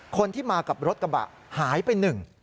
คนที่มากับรถกระบะหายไป๑